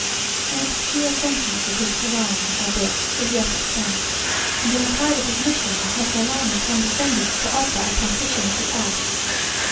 An obscure sentence of his Koran, or book, is yet extant; 3 and in the pride of his mission, Moseilama condescended to offer a partition of the earth.